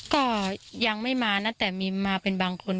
ก็ยังไม่มานะแต่มีมาเป็นบางคน